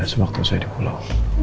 semua ketua saya di pulau